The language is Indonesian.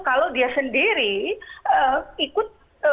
kalau dia sendiri ikut